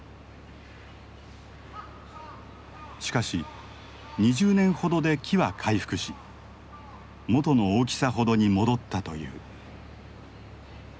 しかし２０年ほどで木は回復し元の大きさほどに戻ったという。